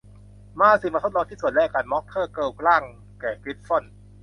มาสิ มาทดลองชิ้นส่วนแรกกัน ม็อคเทอร์เทิลกล่างแก่กริฟฟอน